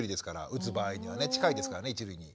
打つ場合にはね近いですからね一塁に。